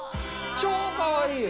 超かわいい。